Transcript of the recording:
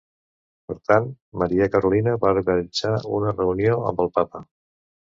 Per tant, Maria Carolina va organitzar una reunió amb el Papa.